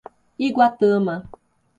Iguatama